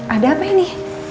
ada apa ini